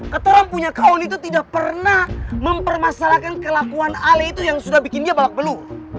katorang punya kaun itu tidak pernah mempermasalahkan kelakuan ale itu yang sudah bikin dia balak belu